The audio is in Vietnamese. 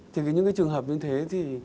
thì những trường hợp như thế thì